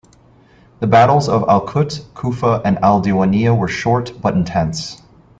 The battles of Al Kut, Kufa, and Al Diwaniyah were short, but intense.